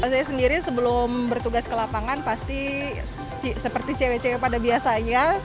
saya sendiri sebelum bertugas ke lapangan pasti seperti cewek cewek pada biasanya